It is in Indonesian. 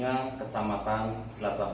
jika jangan di langit pasang